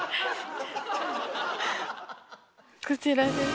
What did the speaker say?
こちらです。